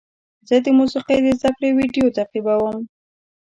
زه د موسیقۍ د زده کړې ویډیو تعقیبوم.